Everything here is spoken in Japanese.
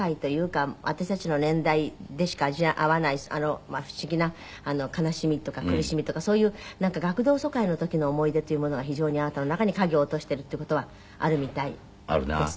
私たちの年代でしか味わわない不思議な悲しみとか苦しみとかそういうなんか学童疎開の時の思い出というものが非常にあなたの中に影を落としているっていう事はあるみたいですね。